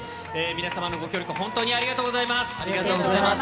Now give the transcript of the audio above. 皆様のご協力、本当にありがとうございます。